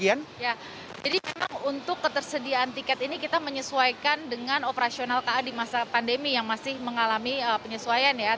jadi memang untuk ketersediaan tiket ini kita menyesuaikan dengan operasional ka di masa pandemi yang masih mengalami penyesuaian ya